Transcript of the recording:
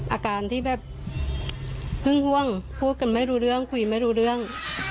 อาการที่แบบเพิ่งห่วงพูดกันไม่รู้เรื่องคุยไม่รู้เรื่อง